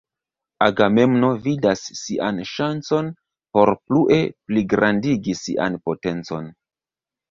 Agamemno vidas sian ŝancon por plue pligrandigi sian potencon.